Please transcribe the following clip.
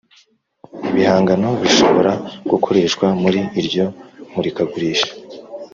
ibihangano bishobora gukoreshwa muri iryo murikagurisha